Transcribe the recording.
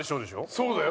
そうだよ。